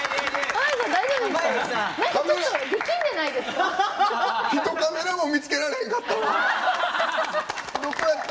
濱家さん、大丈夫でした？